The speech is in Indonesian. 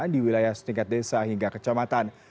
di wilayah setingkat desa hingga kecamatan